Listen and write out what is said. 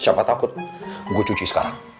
siapa takut gue cuci sekarang